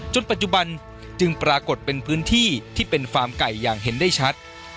ปัจจุบันจึงปรากฏเป็นพื้นที่ที่เป็นฟาร์มไก่อย่างเห็นได้ชัด